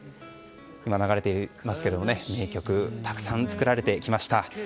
今流れていますけど名曲、たくさん作られてきました。